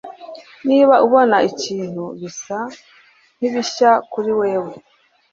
niba ubona ibintu bisa nkibishya kuri wewe